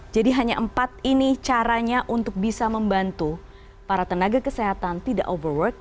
jadi hanya empat ini caranya untuk bisa membantu para tenaga kesehatan tidak overworked